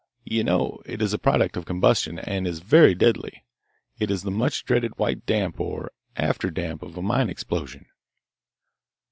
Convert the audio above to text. You know, it is a product of combustion, and is very deadly it is the much dreaded white damp or afterdamp of a mine explosion.